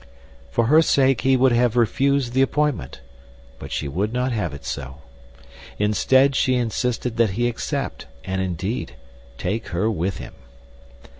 For her sake he would have refused the appointment, but she would not have it so. Instead she insisted that he accept, and, indeed, take her with him.